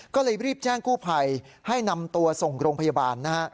ก็เลยรีบแจ้งกู้ภัยให้นำตัวส่งโรงพยาบาลนะฮะ